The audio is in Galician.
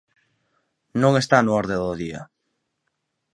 Non está na orde do día.